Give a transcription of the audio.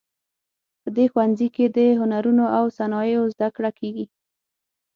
په دې ښوونځي کې د هنرونو او صنایعو زده کړه کیږي